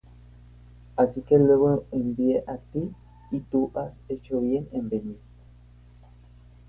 Así que, luego envié á ti; y tú has hecho bien en venir.